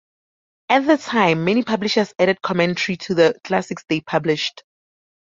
At the time many publishers added commentary to the classics they published.